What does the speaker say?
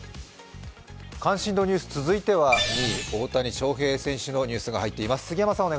関心度ニュース続いては２位大谷翔平選手のニュースが入っています。